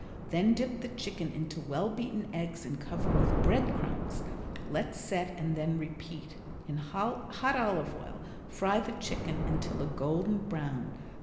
Then dip the chicken into well beaten eggs and cover with bread crumbs. Let set and then repeat. In hot olive oil fry the chicken until a golden brown.